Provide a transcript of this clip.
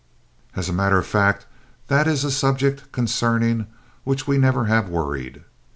As a matter of fact, that is a subject concerning which we never have worried.